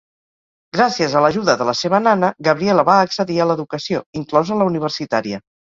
Gràcies a l'ajuda de la seva 'nana', Gabriela va accedir a l'educació, inclosa la universitària.